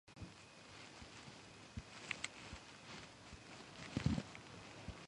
საკლუბო კარიერის განმავლობაში თამაშობდა სხვადასხვა არგენტინულ საფეხბურთო კლუბებში.